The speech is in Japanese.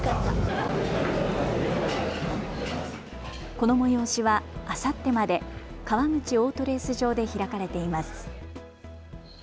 この催しはあさってまで川口オートレース場で開かれています。